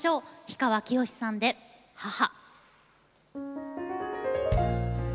氷川きよしさんで「母」。